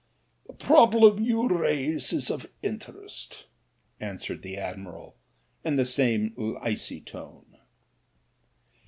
"The problem you raise is of interest," answered the admiral, in the same icy tone.